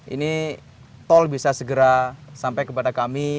ini tol bisa segera sampai kepada kami